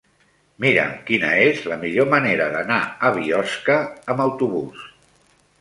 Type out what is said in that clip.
Mira'm quina és la millor manera d'anar a Biosca amb autobús.